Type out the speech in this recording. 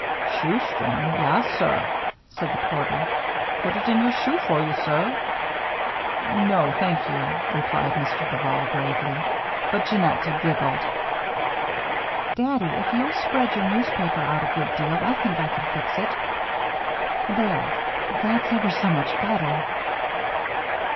"Shoestring? Yass, suh," said the porter. "Put it in your shoe foh you, suh?" "No, thank you," replied Mr. Duval, gravely; but Jeannette giggled. "Daddy, if you'll spread your newspaper out a good deal, I think I can fix it. There! That's ever so much better."